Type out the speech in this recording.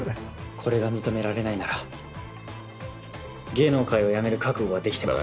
これが認められないなら芸能界を辞める覚悟はできてます。